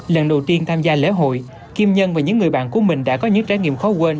lần đầu tiên tham gia lễ hội kim nhân và những người bạn của mình đã có những trải nghiệm khó quên